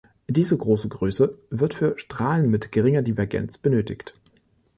Diese große Größe wird für Strahlen mit geringer Divergenz benötigt.